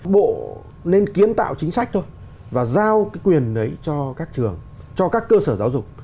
bộ nên kiến tạo chính sách thôi và giao cái quyền đấy cho các trường cho các cơ sở giáo dục